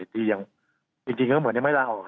ที่ยังจริงก็เหมือนยังไม่ลาออก